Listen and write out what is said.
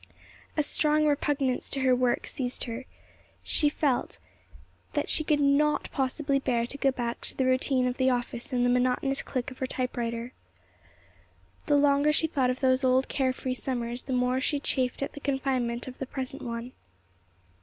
A strong repugnance to her work seized her. She felt that she could not possibly bear to go back to the routine of the office and the monotonous click of her typewriter. The longer she thought of those old care free summers, the more she chafed at the confinement of the present one.